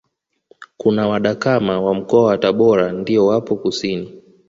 Kuna wadakama wa Mkoa wa Tabora ndio wapo kusini